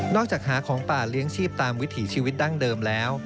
จากหาของป่าเลี้ยงชีพตามวิถีชีวิตดั้งเดิมแล้ว